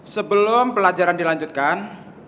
sebelum pelajaran dilanjutkan